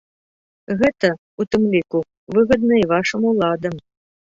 Гэта, у тым ліку, выгадна і вашым уладам.